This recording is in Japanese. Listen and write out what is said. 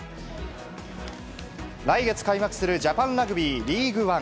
来月開幕する、ジャパンラグビーリーグワン。